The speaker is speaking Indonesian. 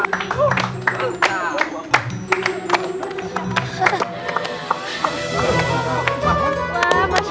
wah masya allah